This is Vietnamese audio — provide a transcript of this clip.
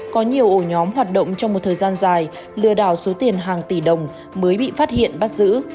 có nhiều ổ nhóm hoạt động trong một thời gian dài lừa đảo số tiền hàng tỷ đồng mới bị phát hiện bắt giữ